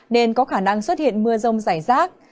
nên có khả năng xuất hiện mưa rông rải rác